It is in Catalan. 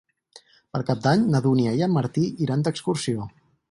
Per Cap d'Any na Dúnia i en Martí iran d'excursió.